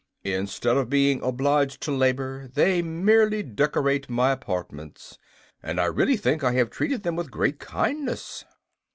Instead of being obliged to labor, they merely decorate my apartments, and I really think I have treated them with great kindness."